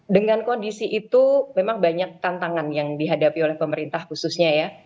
dengan kondisi itu memang banyak tantangan yang dihadapi oleh pemerintah khususnya ya